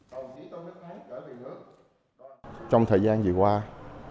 tôn đức thắng hội đồng lý luận và công đoàn tổ chức hội thảo chủ tịch nước tôn đức thắng